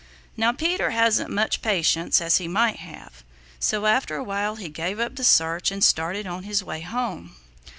Now Peter hasn't much patience as he might have, so after a while he gave up the search and started on his way home.